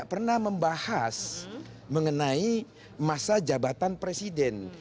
pernah membahas mengenai masa jabatan presiden